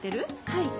はい。